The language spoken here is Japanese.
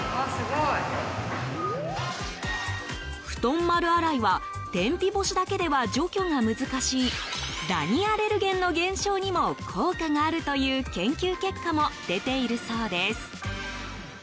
布団丸洗いは天日干しだけでは除去が難しいダニアレルゲンの減少にも効果があるという研究結果も出ているそうです。